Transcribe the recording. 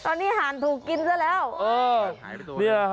ตอนนี้ห่านถูกกินแน่ครับ